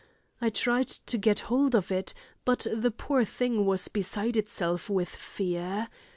I tried to get hold of it, but the poor thing was beside itself with fear.